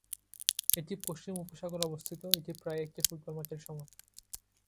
এটি পশ্চিম উপসাগরে অবস্থিত, এটি প্রায় একটি ফুটবল মাঠের সমান।